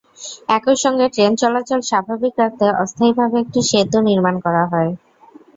একই সঙ্গে ট্রেন চলাচল স্বাভাবিক রাখতে অস্থায়ীভাবে একটি সেতু নির্মাণ করা হয়।